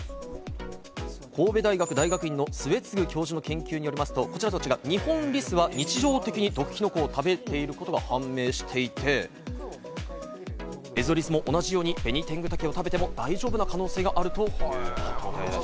神戸大学大学院の末次教授の研究によりますと、ニホンリスは日常的に毒キノコを食べていることが判明していて、エゾリスも同じようにベニテングタケを食べても大丈夫な可能性があるということです。